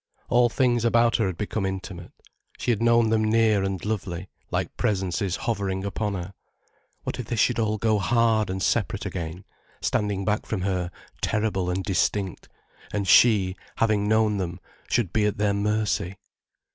All things about her had become intimate, she had known them near and lovely, like presences hovering upon her. What if they should all go hard and separate again, standing back from her terrible and distinct, and she, having known them, should be at their mercy?